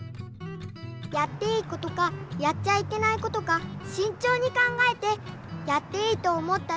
やっていいことかやっちゃいけないことかしんちょうに考えてやっていいと思ったら少しずつやる。